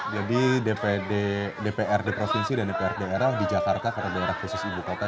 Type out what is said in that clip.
jadi dprd provinsi dan dprd rl di jakarta karena daerah khusus ibu kota